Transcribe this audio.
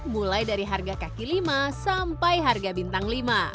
mulai dari harga kaki lima sampai harga bintang lima